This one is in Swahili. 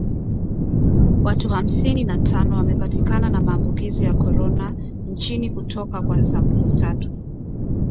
Watu hamsini na tano wamepatikana na maambukizi ya corona nchini kutoka kwa sampuli tatu